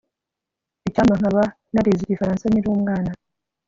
Icyampa nkaba narize Igifaransa nkiri umwana